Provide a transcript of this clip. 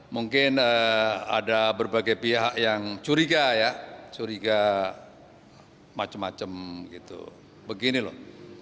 mungkin ada berbagai pihak yang curiga ya curiga macam macam gitu begini loh